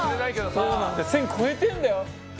１０００超えてんだよ。